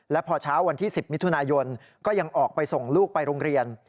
และพอเช้าวันที่๑๐มิถุนายนก็ยังออกไปส่งลูกไปโรงเรียน